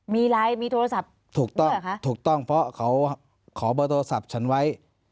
มีไลน์มีโทรศัพท์ถูกต้องนะคะถูกต้องเพราะเขาขอเบอร์โทรศัพท์ฉันไว้